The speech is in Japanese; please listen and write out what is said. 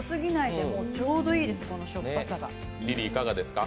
ちょうどいいです、このしょっぱさが。